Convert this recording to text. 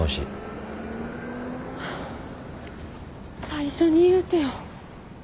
最初に言うてよ。